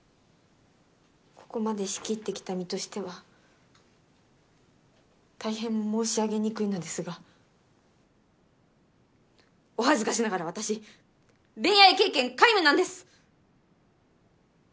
ここまで仕切ってきた身としては大変申し上げにくいのですがお恥ずかしながら私恋愛経験皆無なんです！